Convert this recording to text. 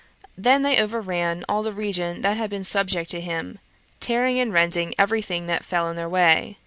They then overran all the region that had been subject to him, tearing and rending every thing that fell in their way.